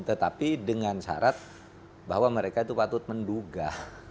tetapi dengan syarat bahwa mereka itu patut menduga